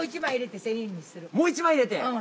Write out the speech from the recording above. もう１枚入れて？